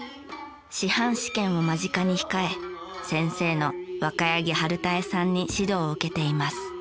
師範試験を間近に控え先生の若柳華妙さんに指導を受けています。